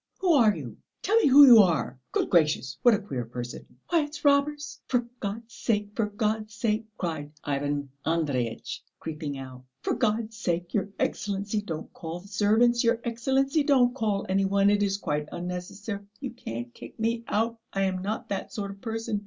Who are you? Tell me who you are! Good gracious, what a queer person!" "Why, it's robbers!..." "For God's sake, for God's sake," cried Ivan Andreyitch creeping out, "for God's sake, your Excellency, don't call the servants! Your Excellency, don't call any one. It is quite unnecessary. You can't kick me out!... I am not that sort of person.